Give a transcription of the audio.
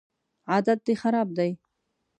عادت دي خراب دی